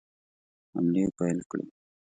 حملې پیل کړې.